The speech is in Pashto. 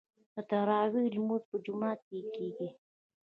د تراويح لمونځ په جومات کې کیږي.